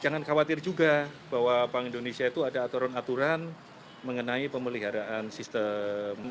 jangan khawatir juga bahwa bank indonesia itu ada aturan aturan mengenai pemeliharaan sistem